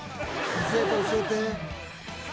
「教えて教えて」